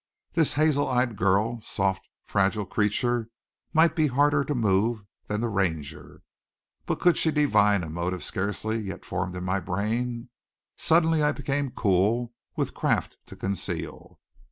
This hazel eyed girl, soft, fragile creature, might be harder to move than the Ranger. But could she divine a motive scarcely yet formed in my brain? Suddenly I became cool, with craft to conceal.